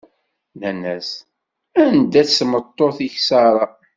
Nnan-as: Anda-tt tmeṭṭut-ik Ṣara?